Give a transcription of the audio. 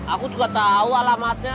aku juga tau alamatnya